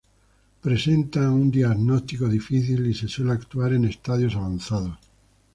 Presentan un diagnóstico difícil y se suele actuar en estadios avanzados.